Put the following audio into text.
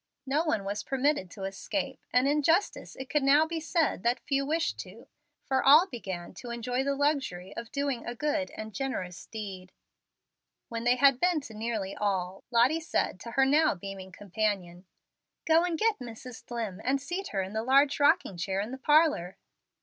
No one was permitted to escape, and in justice it could now be said that few wished to, for all began to enjoy the luxury of doing a good and generous deed. When they had been to nearly all, Lottie said to her now beaming companion, "Go and get Mrs. Dlimm, and seat her in the large rocking chair in the parlor."